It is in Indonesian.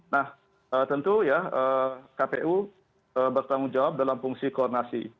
nah tentu ya kpu bertanggung jawab dalam fungsi koordinasi